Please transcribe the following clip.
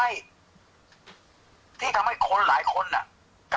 แม่ยังคงมั่นใจและก็มีความหวังในการทำงานของเจ้าหน้าที่ตำรวจค่ะ